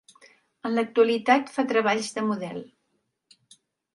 En l'actualitat fa treballs de model.